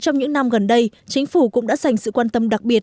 năm gần đây chính phủ cũng đã dành sự quan tâm đặc biệt